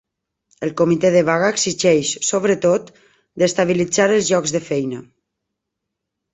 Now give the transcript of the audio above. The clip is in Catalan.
El comitè de vaga exigeix, sobretot, d’estabilitzar els llocs de feina.